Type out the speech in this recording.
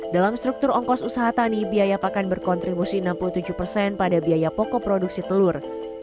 dalam struktur ongkos usaha tani biaya pakan berkontribusi enam puluh tujuh persen pada biaya pokok produksi telur